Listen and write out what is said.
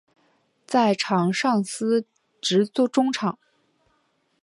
在场上司职中场。